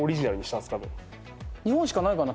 多分日本しかないかな？